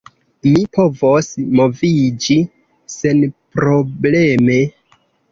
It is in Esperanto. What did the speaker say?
Mi povos moviĝi senprobleme.